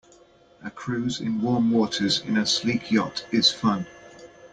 A cruise in warm waters in a sleek yacht is fun.